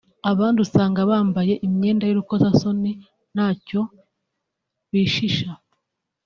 abandi usanga bambaye imyenda y’urukozasoni ntacyo bishisha